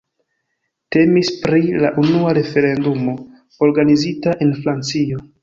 Temis pri la unua referendumo organizita en Francio.